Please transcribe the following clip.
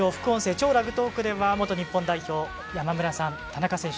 「超ラグトーク」では元日本代表、山村さん、田中選手